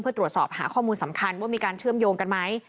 เพื่อตรวจสอบหาข้อมูลสำคัญว่ามีการเชื่อมโยงกันไหม